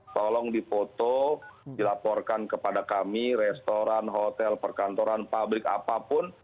tolong dipoto dilaporkan kepada kami restoran hotel perkantoran pabrik apapun